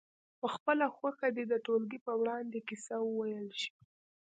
په خپله خوښه دې د ټولګي په وړاندې کیسه وویل شي.